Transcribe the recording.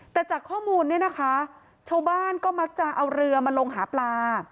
แต่จากข้อมูลเนี่ยนะคะชาวบ้านก็มักจะเอาเรือมาลงหาปลา